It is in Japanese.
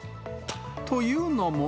というのも。